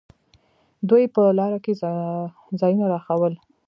دوى په لاره کښې ځايونه راښوول.